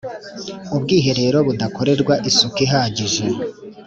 ubwiherero budakorerwa isuku ihagije